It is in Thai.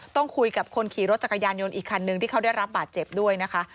ต้องคุยกับคนขี่รถจักรยานยนต์อีกคันนึงที่เขาได้รับบาดเจ็บด้วยนะคะ